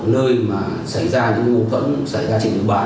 nơi mà xảy ra những mâu thuẫn xảy ra trình bàn